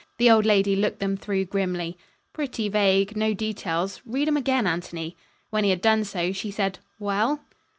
The old lady looked them through grimly. "Pretty vague. No details. Read 'em again, Anthony." When he had done so, she said: "Well?"